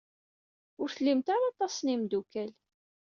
Ur tlimt ara aṭas n yimeddukal.